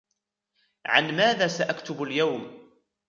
عن ماذا سأكتب اليوم ؟